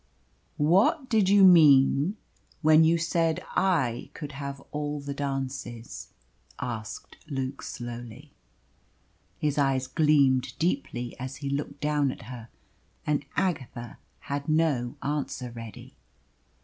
"What did you mean when you said I could have all the dances?" asked Luke slowly. His eyes gleamed deeply as he looked down at her. And Agatha had no answer ready.